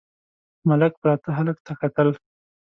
ملک پراته هلک ته کتل….